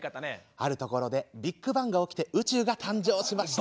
あるところでビッグバンが起きて宇宙が誕生しました。